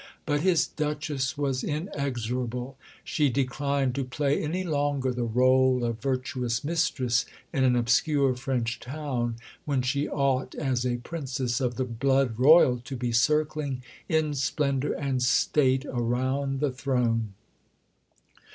But his Duchess was inexorable. She declined to play any longer the rôle of "virtuous mistress" in an obscure French town, when she ought, as a Princess of the Blood Royal, to be circling in splendour and state around the throne.